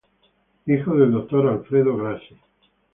Hijo del Dr. Alfredo Grassi.